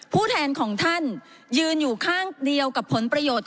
ผู้แทนของท่านยืนอยู่ข้างเดียวกับผลประโยชน์